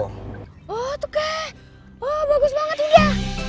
oh tuh kek bagus banget juga